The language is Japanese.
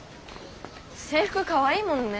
制服かわいいもんね。